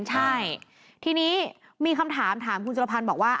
ใช่ทีนี้มีคำถามถามคุณสุรพันธ์บอกว่า